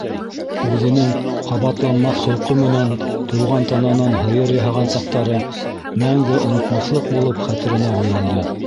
Үҙенең ҡабатланмаҫ холҡо менән тыуған тананан һыйыр яһаған саҡтары мәңге онотмаҫлыҡ булып хәтеренә уйылды.